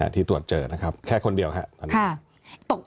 ที่ตรวจเจอนะครับแค่คนเดียวครับตอนนี้